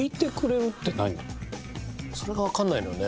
それがわかんないのよね。